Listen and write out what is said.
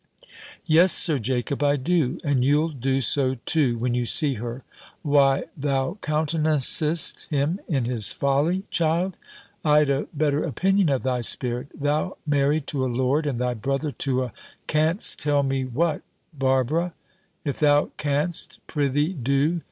"Yes, Sir Jacob, I do: and you'll do so too, when you see her." "Why, thou countenancest him in his folly, child: I'd a better opinion of thy spirit! Thou married to a lord, and thy brother to a Can'st tell me what, Barbara? If thou can'st, pr'ythee do."